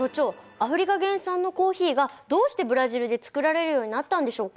アフリカ原産のコーヒーがどうしてブラジルで作られるようになったんでしょうか？